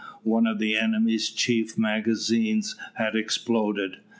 One of the enemy's chief magazines had exploded.